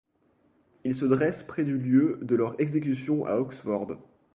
Il se dresse près du lieu de leur exécution à Oxford.